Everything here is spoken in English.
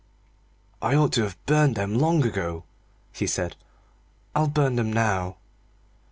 "I ought to have burned them long ago," he said; "I'll burn them now."